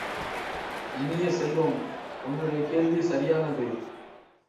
இனிய செல்வ, உன்னுடைய கேள்வி சரியானது!